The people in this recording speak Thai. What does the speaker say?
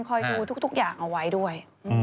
คอยดูทุกอย่างเอาไว้ด้วย